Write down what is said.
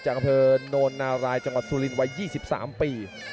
จากกระเภทโนนารายจังหวัดสุรินไว้๒๓ปี